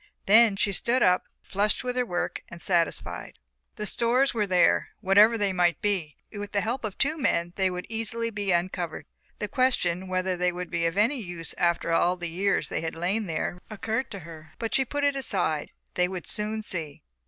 Then she stood up, flushed with her work and satisfied. The stores were there, whatever they might be, and with the help of the two men they would easily be uncovered. The question whether they would be of any use after all the years they had lain there recurred to her, but she put it aside. They would soon see.